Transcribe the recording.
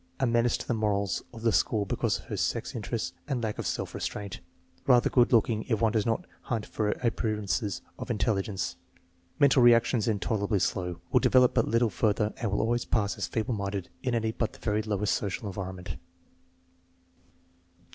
A menace to the morals of the school because of her sex in terests and lack of self restraint. Rather good looking if one does not hunt for appearances of intel ligence. Mental reactions intoler ably slow. Will develop but little further and will always pass as feeble minded in any but the very lowest social environment.